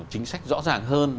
chính sách rõ ràng hơn